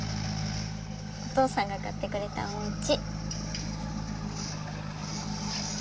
お父さんが買ってくれたおうち。